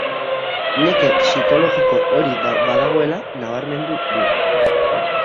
Neke psikologiko hori badagoela nabarmendu du.